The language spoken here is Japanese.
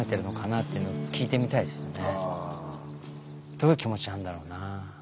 どういう気持ちなんだろうなあ。